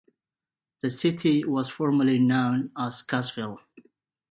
The city was formerly known as Cassville.